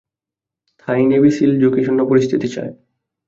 থাই navy seal ঝুঁকিশূন্য পরিস্থিতি চায়।